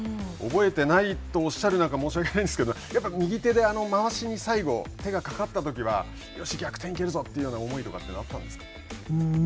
覚えてないとおっしゃる中申し訳ないんですけど、やっぱり右手であのまわしに最後手がかかったときはよし、逆転行けるぞという思いはあったんですか。